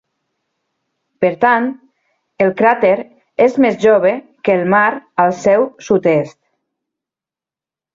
Per tant, el cràter és més jove que el mar al seu sud-est.